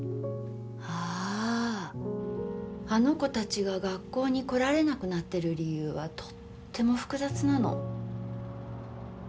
ああ、あの子たちが学校に来られなくなっている理由はとっても複雑なの。